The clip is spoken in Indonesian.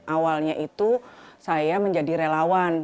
awalnya itu saya menjadi relawan